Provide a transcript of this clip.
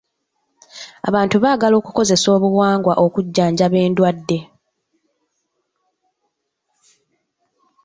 Abantu baagala okukozesa obuwangwa okujjanjaba endwadde.